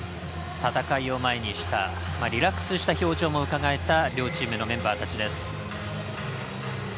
戦いを前にしてリラックスした表情もうかがえた両チームのメンバーたちです。